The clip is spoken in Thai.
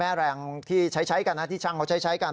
แม่แรงที่ใช้ใช้กันที่ช่างเขาใช้ใช้กัน